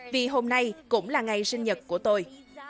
vì hôm nay cũng là ngày sinh nhật của tôi